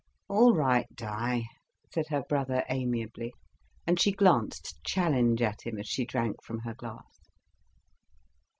"All right, Di," said her brother amiably. And she glanced challenge at him as she drank from her glass.